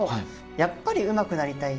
やっぱりうまくなりたい。